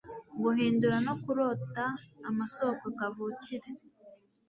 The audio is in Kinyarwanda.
Guhindura no kurota amasoko kavukire